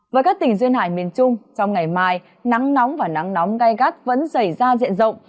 với các tỉnh duyên hải miền trung trong ngày mai nắng nóng và nắng nóng gai gắt vẫn xảy ra diện rộng